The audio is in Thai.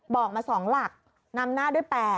บอกมา๒หลักนำหน้าด้วย๘